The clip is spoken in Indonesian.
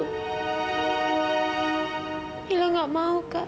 camilla tidak mau kak